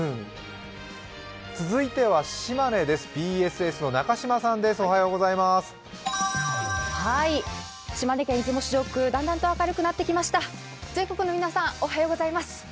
続いては島根です、ＢＳＳの中島さんです、おはようございます。